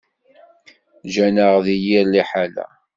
Ǧǧan-aɣ deg yir liḥala.